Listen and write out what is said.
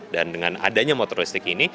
dan dengan adanya motor listrik ini